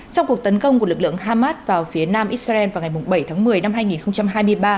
trong cuộc tấn công của lực lượng hamas vào phía nam israel vào ngày bảy tháng một mươi năm hai nghìn hai mươi ba